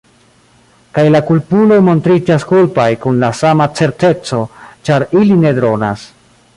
Kaj la kulpuloj montriĝas kulpaj kun la sama certeco ĉar ili ne dronas.